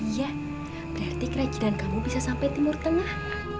ya berarti kerajinan kamu bisa sampai timur tengah